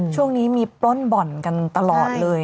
ช่วงนี้มีปล้นบ่อนกันตลอดเลย